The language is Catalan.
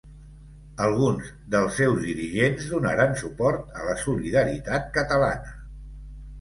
Alguns dels seus dirigents donaren suport a la Solidaritat Catalana.